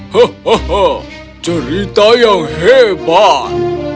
hohoho cerita yang hebat